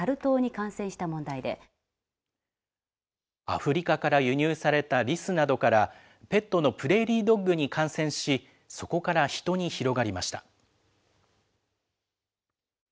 アフリカから輸入されたリスなどから、ペットのプレーリードッグに感染し、そこからヒトに広がりました。